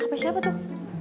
hp siapa tuh